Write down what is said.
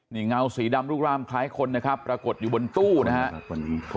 นี่เงาสีดำรูปร่างคล้ายคนนะครับปรากฏอยู่บนตู้นะครับ